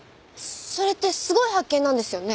それってすごい発見なんですよね？